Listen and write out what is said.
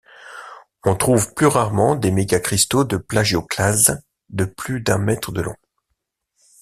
On trouve plus rarement des mégacristaux de plagioclase de plus d'un mètre de long.